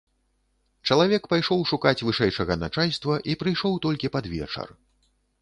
Чалавек пайшоў шукаць вышэйшага начальства і прыйшоў толькі пад вечар.